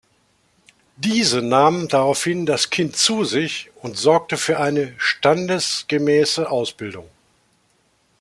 Diese nahm daraufhin das Kind zu sich und sorgte für eine „standesgemäße“ Ausbildung.